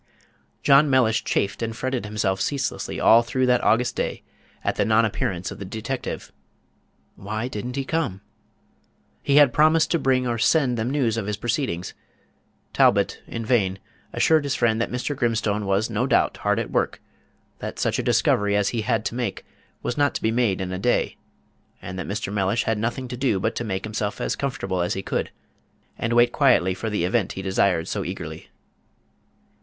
John Mellish chafed and fretted himself ceaselessly all through that August day at the nonappearance of the detective. Why did n't he come? He had promised to bring or send them news of his proceedings. Talbot in vain assured his friend that Mr. Grimstone was no doubt hard at work; that such a discovery as he had to make was not to be made in a day; and that Mr. Mellish had nothing to do but to make himself as comfortable as he could, and wait quietly for the event he desired so eagerly.